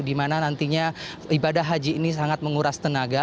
dimana nantinya ibadah haji ini sangat menguras tenaga